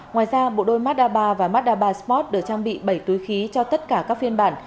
ngoài ra bộ đôi mazda ba và mazda ba sport được trang bị bảy túi khí cho tất cả các phiên bản